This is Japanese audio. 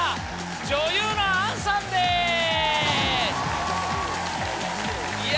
女優の杏さんですいや